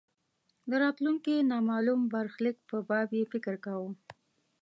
د راتلونکې نامالوم برخلیک په باب یې فکر کاوه.